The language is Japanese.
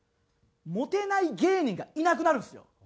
モテない芸人がいなくなるんですよ。